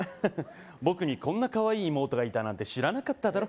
僕にこんなカワイイ妹がいたなんて知らなかっただろ